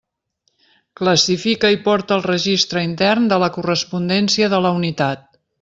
Classifica i porta el registre intern de la correspondència de la unitat.